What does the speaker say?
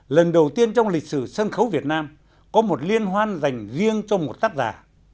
lần đầu tiên trong lịch sử sân khấu việt nam có một liên hoan dành riêng cho một tác giả